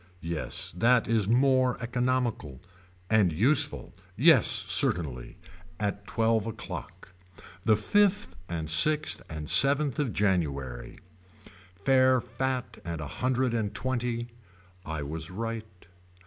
Yes that is more economical. And useful. Yes certainly. At twelve o'clock. The fifth and sixth and seventh of January. Fair fat and a hundred and twenty. I was right.